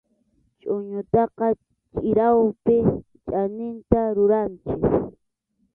Chʼuñutaqa chirawpi chaninta ruranchik.